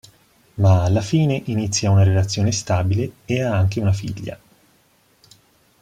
Ma alla fine inizia una relazione stabile e ha anche una figlia.